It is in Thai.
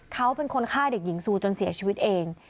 เขาเป็นคนฆ่าเด็กหญิงซูจนเสียชีวิตเอง